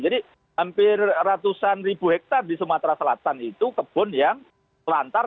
jadi hampir ratusan ribu hektare di sumatera selatan itu kebun yang lantar